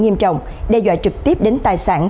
nghiêm trọng đe dọa trực tiếp đến tài sản